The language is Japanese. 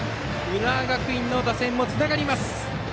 浦和学院の打線もつながります。